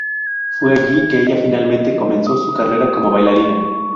Fue allí que ella finalmente comenzó su carrera como bailarina.